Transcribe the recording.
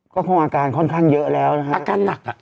ก็คงอาการค่อนข้างเยอะแล้วนะฮะอาการหนักอ่ะ